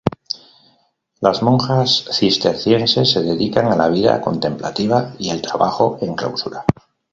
Las monjas cistercienses se dedican a la vida contemplativa y el trabajo en clausura.